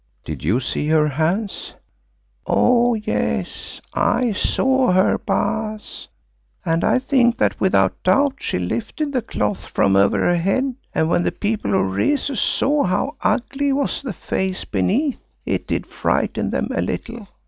Did you see her, Hans?" "Oh, yes! I saw her, Baas, and I think that without doubt she lifted the cloth from over her head and when the people of Rezu saw how ugly was the face beneath, it did frighten them a little.